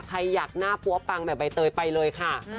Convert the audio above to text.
ใครอยากหน้าปั๊วปังแบบใบเตยไปเลยค่ะ